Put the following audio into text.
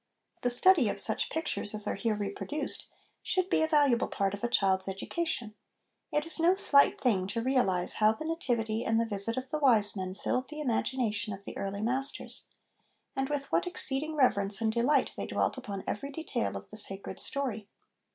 The study of such pictures as are here reproduced should be a valuable part of a child's education ; it is no slight thing to realise how the Nativity and the visit of the Wise Men filled the imagination of the early Masters, and with what ex ceeding reverence and delight they dwelt upon every detail of the sacred story.